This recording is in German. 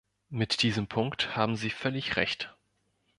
Mit diesem Punkt haben Sie völlig Recht.